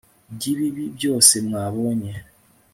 ry'ibibi byose mwabonye